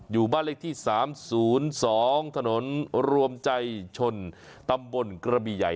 อยู่บ้านเลขที่๓๐๒ถนนรวมใจชนตำบลกระบี่ใหญ่